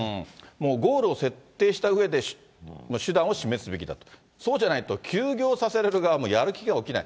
もうゴールを設定したうえで手段を示すべきだと、そうじゃないと、休業させるられる側もやる気が起きない。